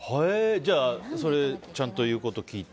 じゃあそれちゃんと言うこと聞いて。